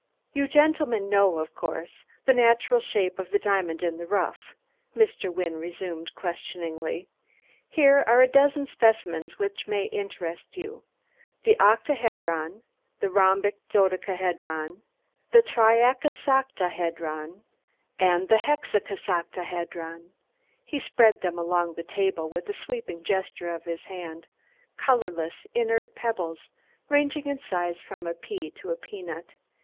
"You gentlemen know, of course, the natural shape of the diamond in the rough?" Mr. Wynne resumed questioningly. "Here are a dozen specimens which may interest you the octahedron, the rhombic dodecahedron, the triakisoctahedron and the hexakisoctahedron." He spread them along the table with a sweeping gesture of his hand, colorless, inert pebbles, ranging in size from a pea to a peanut.